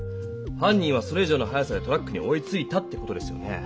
犯人はそれ以上の速さでトラックに追いついたって事ですよね。